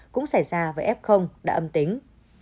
cũng xảy ra với f đã âm tính